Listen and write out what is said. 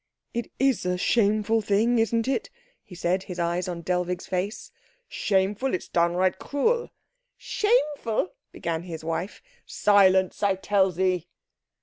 "It is a shameful thing, isn't it?" he said, his eyes on Dellwig's face. "Shameful? It's downright cruel." "Shameful?" began his wife. "Silence, I tell thee!